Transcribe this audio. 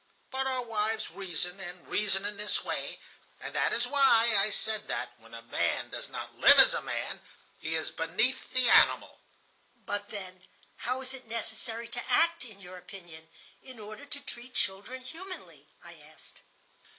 But our wives reason, and reason in this way, and that is why I said that, when a man does not live as a man, he is beneath the animal." "But then, how is it necessary to act, in your opinion, in order to treat children humanly?" I asked.